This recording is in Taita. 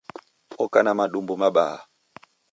Oka na madumbu mabaha.